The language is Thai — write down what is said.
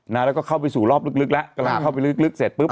แล้วก็เข้าไปสู่รอบลึกแล้วกำลังเข้าไปลึกลึกเสร็จปุ๊บ